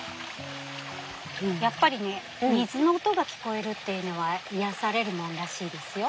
やっぱりね水の音が聞こえるっていうのは癒やされるものらしいですよ。